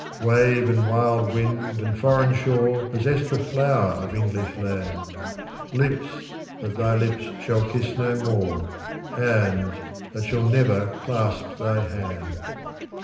Wave and wild wind and foreign shore Possess the flower of English land— Lips that thy lips shall kiss no more, Hands that shall never clasp thy hand.